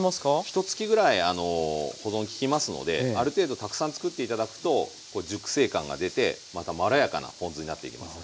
ひとつきぐらい保存利きますのである程度たくさん作って頂くとこう熟成感が出てまろやかなポン酢になっていきます。